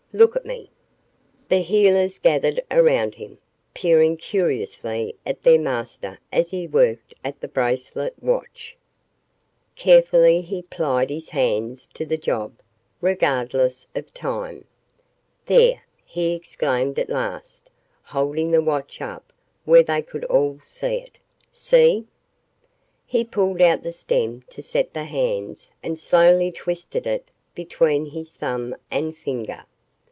Look at me." The heelers gathered around him, peering curiously at their master as he worked at the bracelet watch. Carefully he plied his hands to the job, regardless of time. "There," he exclaimed at last, holding the watch up where they could all see it. "See!" He pulled out the stem to set the hands and slowly twisted it between his thumb and finger.